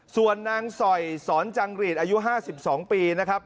ส่วนนางสอยสอนจังหรีดอายุ๕๒ปีนะครับ